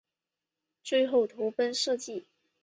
最后投奔杜弢。